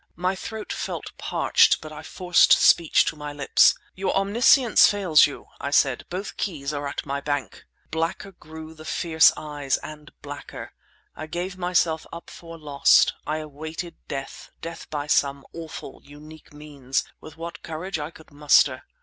My throat felt parched, but I forced speech to my lips. "Your omniscience fails you," I said. "Both keys are at my bank!" Blacker grew the fierce eyes—and blacker. I gave myself up for lost; I awaited death—death by some awful, unique means—with what courage I could muster.